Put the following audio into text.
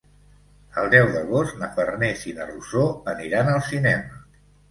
El deu d'agost na Farners i na Rosó aniran al cinema.